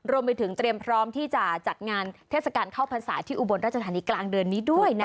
รวมไปถึงเตรียมพร้อมที่จะจัดงานเทศกาลเข้าพรรษาที่อุบลราชธานีกลางเดือนนี้ด้วย